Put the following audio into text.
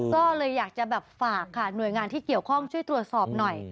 ก็เลยอยากจะแบบฝากค่ะหน่วยงานที่เกี่ยวข้องช่วยตรวจสอบหน่อย